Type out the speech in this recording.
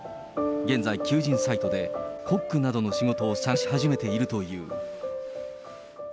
現在、求人サイトでコックなどの仕事を探し始めているという。